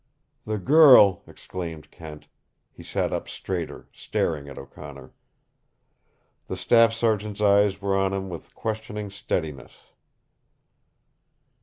"The girl!" exclaimed Kent. He sat up straighter, staring at O'Connor. The staff sergeant's eyes were on him with questioning steadiness.